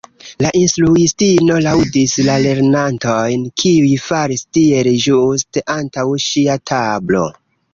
La instruistino laŭdis la lernantojn kiuj faris tiel ĝuste antaŭ ŝia tablo.